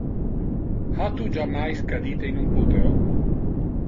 Ha tu jammais cadite in un puteo?